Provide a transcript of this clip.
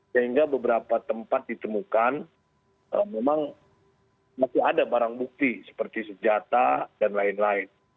sehingga beberapa tempat ditemukan memang masih ada barang bukti seperti senjata dan lain lain